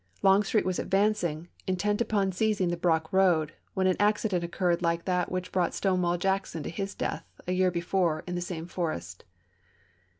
Long May 6, 1864. street was advancing, intent upon seizing the Brock road, when an accident occurred like that which brought Stonewall Jackson to his death a year be fore in the same forest.